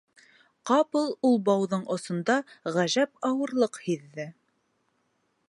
Ҡапыл ул бауҙың осонда ғәжәп ауырлыҡ һиҙҙе.